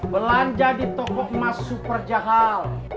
belanja di toko emas super jahat